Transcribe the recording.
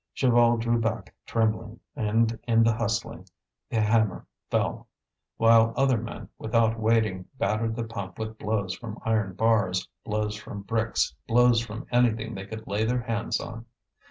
Chaval drew back trembling, and in the hustling the hammer fell; while other men, without waiting, battered the pump with blows from iron bars, blows from bricks, blows from anything they could lay their hands on.